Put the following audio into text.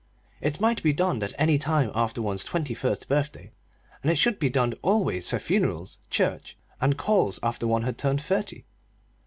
It might be donned at any time after one's twenty first birthday, and it should be donned always for funerals, church, and calls after one had turned thirty.